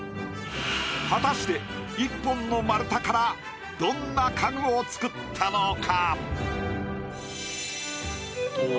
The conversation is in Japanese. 果たして１本の丸太からどんな家具を作ったのか？